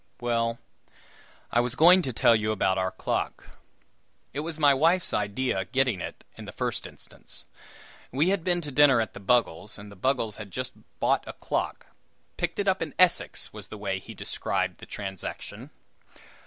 Well, I was going to tell you about our clock. It was my wife's idea, getting it, in the first instance. We had been to dinner at the Buggles', and Buggles had just bought a clock "picked it up in Essex," was the way he described the transaction.